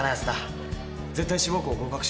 絶対志望校合格しろよな。